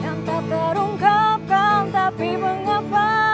yang tak terungkapkan tapi mengapa